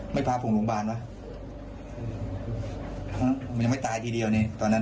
ไม่พาผงหลวงบ้านก็ไม่ตายทีเดียวตอนนั้นนะ